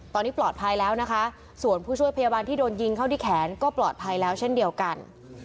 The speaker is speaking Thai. ตอนนี้ปลอดภัยแล้วนะคะส่วนผู้ช่วยพยาบาลที่โดนยิงเข้าที่แขนก็ปลอดภัยแล้วเช่นเดียวกัน